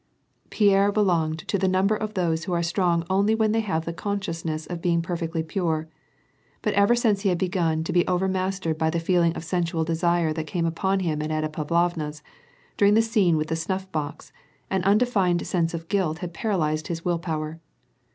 Pierre belon/ (1 to the number of those who are strong only when they havr th*^ consciousness of being pert'ootly pure. Hut ever since Iw h:id begun to be overmastered by the feeling of sensual desire that came upon him at Anna Pavlovna's, dur ing the scene with the snuff box, an undefined sense of guilt luul paralyzed his will power.